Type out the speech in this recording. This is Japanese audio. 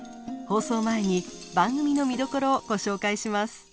放送前に番組の見どころをご紹介します。